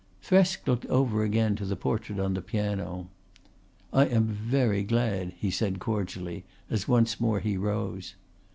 Thresk looked over again to the portrait on the piano. "I am very glad," he said cordially as once more he rose.